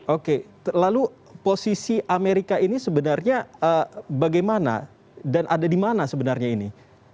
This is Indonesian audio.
oke lalu posisi amerika ini sebenarnya bagaimana dan ada di mana sebenarnya ini